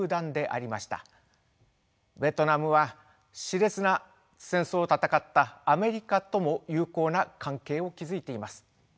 ベトナムはしれつな戦争を戦ったアメリカとも友好な関係を築いています。